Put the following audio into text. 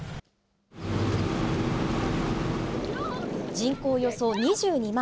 人口およそ２２万。